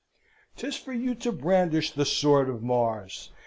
'Tis for you to brandish the sword of Mars.